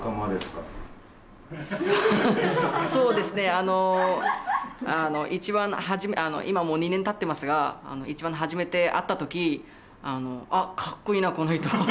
あの一番初め今もう２年たってますが一番初めて会った時あっ格好いいなこの人。